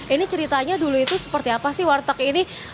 ini ceritanya dulu itu seperti apa sih warteg ini